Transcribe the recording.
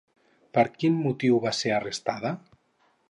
Per quin motiu va ser arrestada?